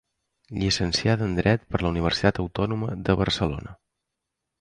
Llicenciada en dret per la Universitat Autònoma de Barcelona.